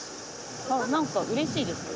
あ何かうれしいですね。